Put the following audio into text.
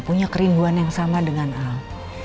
punya kerinduan yang sama dengan al